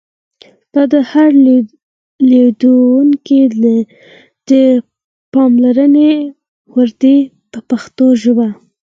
دا د هر لیدونکي د پاملرنې وړ دي په پښتو ژبه.